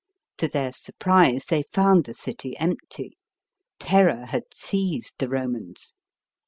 To their surprise they found the city empty. Terror had seized the Romans.